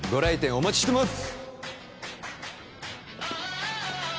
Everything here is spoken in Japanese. お待ちしてます！